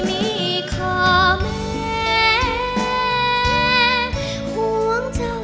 ผู้หญิงปลอมมละคา